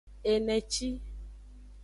Eneci.